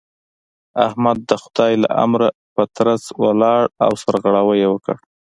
احمد د خدای له امره په ترڅ ولاړ او سرغړاوی يې وکړ.